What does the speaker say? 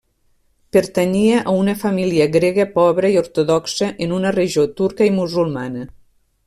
Pertanyia a una família grega pobra i ortodoxa en una regió turca i musulmana.